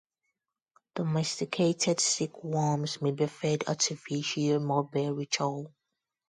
Domesticated silkworms may be fed artificial mulberry chow.